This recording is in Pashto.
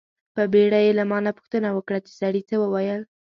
په بیړه یې له ما نه پوښتنه وکړه چې سړي څه و ویل.